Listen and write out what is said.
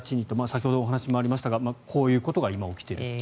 先ほど、お話にもありましたが今、こういうことが起きていると。